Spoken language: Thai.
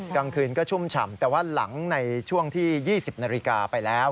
กลางคืนก็ชุ่มฉ่ำแต่ว่าหลังในช่วงที่๒๐นาฬิกาไปแล้ว